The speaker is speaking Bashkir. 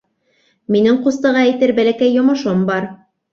Минең ҡустыға әйтер бәләкәй йомошом бар...